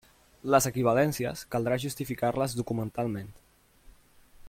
Les equivalències caldrà justificar-les documentalment.